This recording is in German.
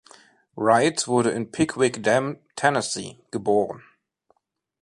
Wright wurde in Pickwick Dam, Tennessee, geboren.